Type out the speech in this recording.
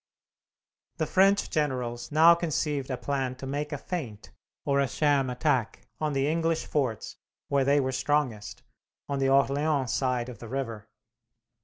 The French generals now conceived a plan to make a feint, or a sham attack, on the English forts where they were strongest, on the Orleans side of the river.